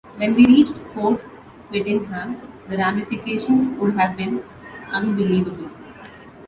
When we reached Port Swettenham, the ramifications would have been unbelievable.